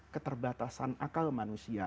keterbatasan akal manusia